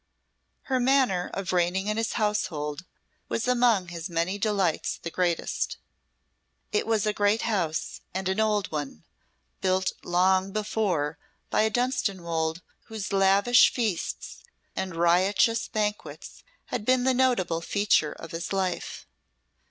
Her manner of reigning in his household was among his many delights the greatest. It was a great house, and an old one, built long before by a Dunstanwolde whose lavish feasts and riotous banquets had been the notable feature of his life.